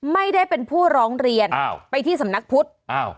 ไม่ได้เป็นผู้ร้องเรียนอ้าวไปที่สำนักพุทธอ้าว